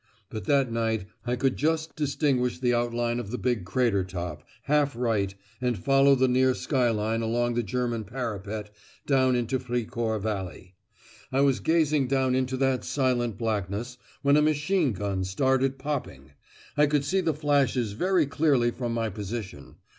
But that night I could just distinguish the outline of the big crater top, half right, and follow the near skyline along the German parapet down into Fricourt valley. I was gazing down into that silent blackness, when a machine gun started popping; I could see the flashes very clearly from my position.